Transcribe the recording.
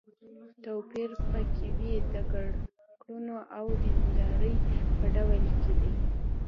توپير په کې وي د کړنو او د دیندارۍ په ډول کې دی.